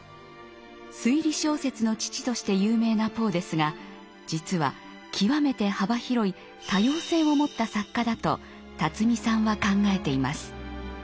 「推理小説の父」として有名なポーですが実は極めて幅広い多様性を持った作家だとさんは考えています。